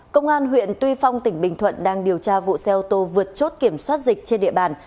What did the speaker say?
công an huyện tuy phong tỉnh bình thuận đang điều tra vụ xe ô tô vượt chốt kiểm soát dịch trên địa bàn